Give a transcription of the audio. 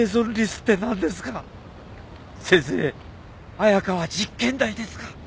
彩佳は実験台ですか？